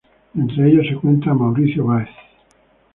Entre ellos se cuenta a Mauricio Báez.